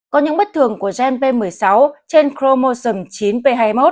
có những bất thường của gen p một mươi sáu trên cromotion chín p hai mươi một